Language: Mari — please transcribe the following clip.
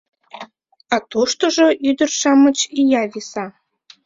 А туштыжо ӱдыр-шамыч — ия виса.